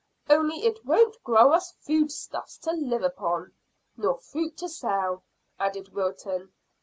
"Only it won't grow us food stuffs to live upon." "Nor fruit to sell," added Wilton.